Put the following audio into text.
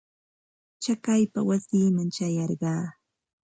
Chakaypa wasiiman ćhayarqaa.